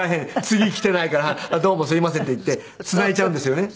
次来ていないから「どうもすいません」って言ってつないじゃうんですよね。